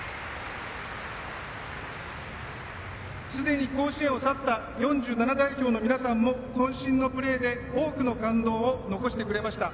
すでに甲子園を去った４７代表の皆さんもこん身のプレーで多くの感動を残してくれました。